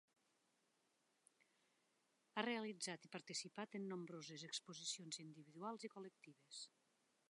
Ha realitzat i participat en nombroses exposicions individuals i col·lectives.